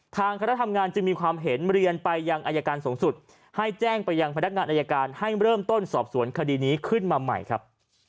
คณะทำงานจึงมีความเห็นเรียนไปยังอายการสูงสุดให้แจ้งไปยังพนักงานอายการให้เริ่มต้นสอบสวนคดีนี้ขึ้นมาใหม่ครับ